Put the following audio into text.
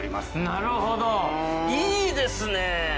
なるほどいいですねえ